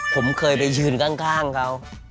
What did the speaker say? ผมเคยไปยืนข้างเขา